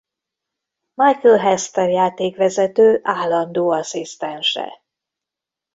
Michael Hester játékvezető állandó asszisztense.